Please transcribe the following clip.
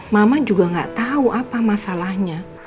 mama juga gak tau apa masalahnya